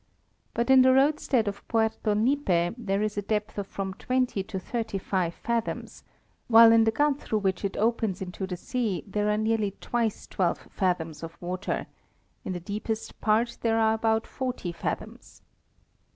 But in the roadstead of Puerto Nipe there is a depth of from twenty to thirty five fathoms, while in the gut through which it opens into the sea there are nearly twice twelve fathoms of water; in the deepest part there are about forty fathoms.